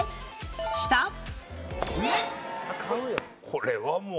これはもう。